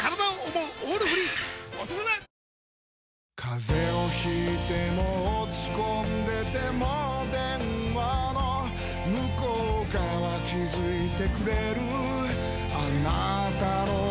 風邪を引いても落ち込んでても電話の向こう側気付いてくれるあなたの声